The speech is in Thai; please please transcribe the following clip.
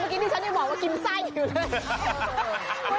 เมื่อกี้ที่ฉันได้บอกว่ากินไส้อยู่เลย